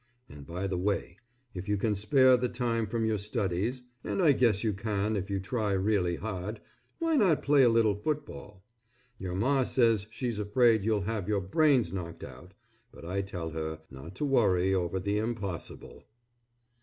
And by the way if you can spare the time from your studies (and I guess you can if you try real hard) why not play a little football? Your Ma says she's afraid you'll have your brains knocked out, but I tell her not to worry over the impossible.